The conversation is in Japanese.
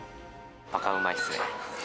ばかうまいっすね。